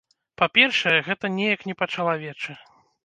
Па-першае, гэта неяк не па-чалавечы.